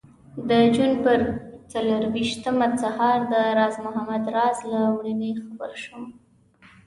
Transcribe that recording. د جون پر څلرویشتمه سهار د راز محمد راز له مړینې خبر شوم.